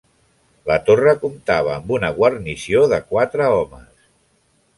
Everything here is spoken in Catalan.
La Torre comptava amb una guarnició de quatre homes.